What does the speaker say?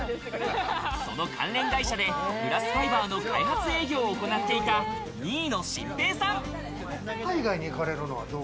その関連会社でグラスファイバーの開発営業を行っていた新野真平海外に行かれるのは？